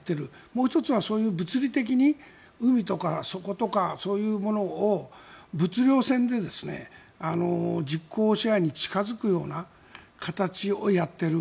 もう１つはそういう物理的に海とか、底とかそういうものを物量戦で実効支配に近付くような形をやっている。